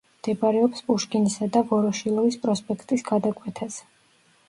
მდებარეობს პუშკინისა და ვოროშილოვის პროსპექტის გადაკვეთაზე.